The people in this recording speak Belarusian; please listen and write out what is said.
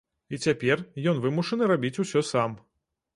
І цяпер ён вымушаны рабіць усё сам.